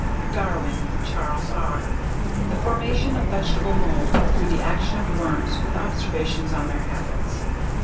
Darwin, Charles R. _The Formation of Vegetable Mould through the Action of Worms with Observations on their Habits.